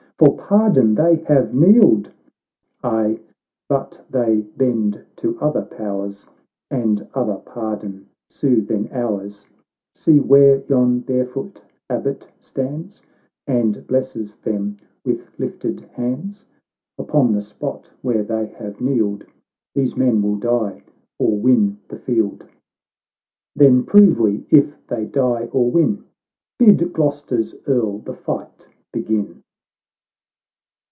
For pardon they have kneeled." —" Aye !— but they bend to other powers, And other pardon sue than ours ! See where yon bare foot Abbot stands, And blesses them with lifted hands ! s Upon the spot where they have kneeled, These men will die, or win the field." ——" Then prove we if they die or win ! Bid Gloster's Earl the fight begin."